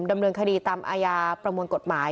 ดำเนินคดีตามอาญาประมวลกฎหมาย